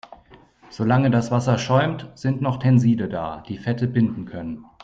Solange das Wasser schäumt, sind noch Tenside da, die Fette binden können.